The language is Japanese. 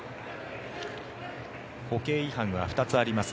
歩型違反は２つあります。